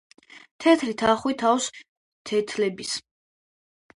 თეთრი თახვი თავს თეთბილებს